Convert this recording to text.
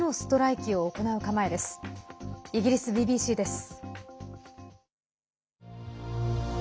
イギリスＢＢＣです。